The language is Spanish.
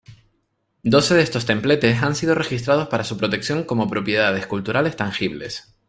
Doce de estos templetes han sido registrados para su protección como Propiedades Culturales Tangibles.